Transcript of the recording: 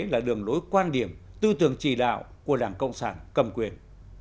là đường lối quan điểm tư tường trì đạo của đảng cộng sản cầm quyền